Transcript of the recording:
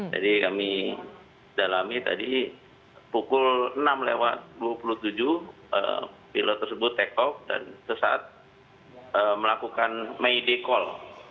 jadi kami dalamnya tadi pukul enam lewat dua puluh tujuh pilot tersebut tekok dan sesaat melakukan mayday call